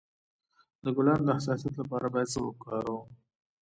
د ګلانو د حساسیت لپاره باید څه وکاروم؟